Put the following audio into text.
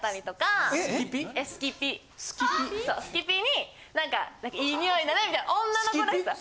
すきぴすきぴになんかいい匂いだなみたいな女の子らしさ。